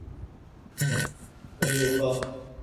ہیوپا